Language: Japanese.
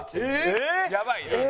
やばいな。